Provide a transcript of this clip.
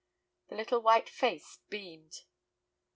The little white face beamed.